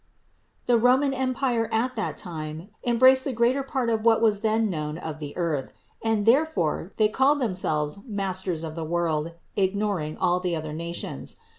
The Roman empire at that time embraced the greater part of what was then known of the earth and therefore they called themselves masters of the world, ignoring all the other nations.